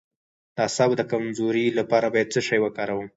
د اعصابو د کمزوری لپاره باید څه شی وکاروم؟